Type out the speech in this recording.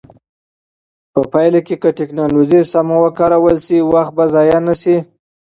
په پایله کې چې ټکنالوژي سمه وکارول شي، وخت به ضایع نه شي.